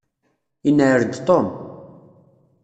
Inεel-d Tom.